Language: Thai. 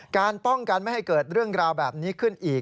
การป้องกันไม่ให้เกิดเรื่องราวแบบนี้ขึ้นอีก